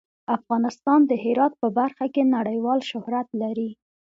افغانستان د هرات په برخه کې نړیوال شهرت لري.